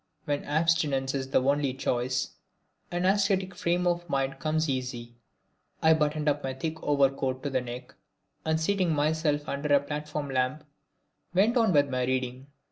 When abstinence is the only choice, an ascetic frame of mind comes easy. I buttoned up my thick overcoat to the neck and seating myself under a platform lamp went on with my reading.